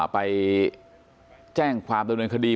ไปแจ้งความดำเนินคดี